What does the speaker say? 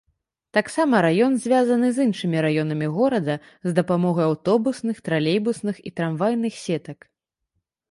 Таксама раён звязаны з іншымі раёнамі горада з дапамогай аўтобусных, тралейбусных і трамвайных сетак.